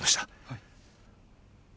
はい。